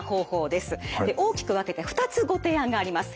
大きく分けて２つご提案があります。